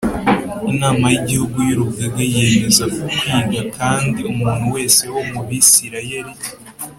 Inama y Igihugu y Urugaga yiyemeza kwiga Kandi umuntu wese wo mu Bisirayeli